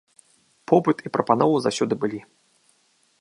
Попыт і прапанова заўсёды былі.